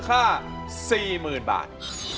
สวัสดีครับ